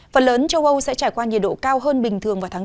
phần lớn châu âu sẽ trải qua nhiệt độ cao hơn bình thường vào tháng bốn